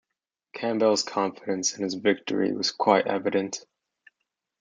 Campbell's confidence in his victory was quite evident.